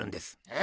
え？